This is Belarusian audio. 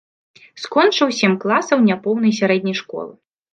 Скончыў сем класаў няпоўнай сярэдняй школы.